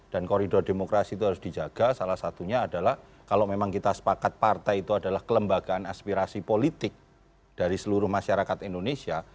dan koridor demokrasi itu harus dijaga salah satunya adalah kalau memang kita sepakat partai itu adalah kelembagaan aspirasi politik dari seluruh masyarakat indonesia